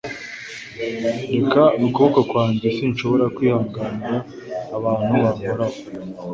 Reka ukuboko kwanjye Sinshobora kwihanganira abantu bankoraho